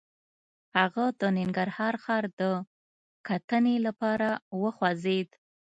هغه د ننګرهار ښار د کتنې لپاره وخوځېد.